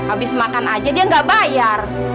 abis makan aja dia gak bayar